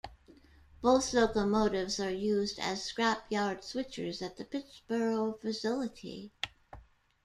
Both locomotives are used as scrap yard switchers at the Pittsboro facility.